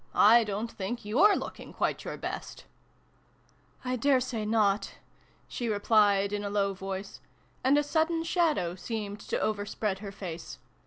I don't think you re looking quite your best !"" I daresay not," she replied in a low voice ; and a sudden shadow seemed to overspread her face.